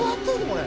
これ」